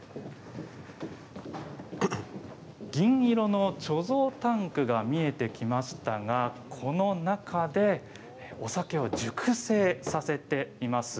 銀色の貯蔵タンクが見えてきましたがこの中でお酒を熟成させています。